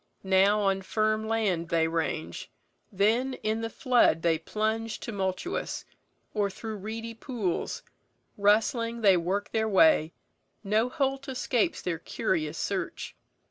Now on firm land they range, then in the flood They plunge tumultuous; or through reedy pools Rustling they work their way; no holt escapes Their curious search.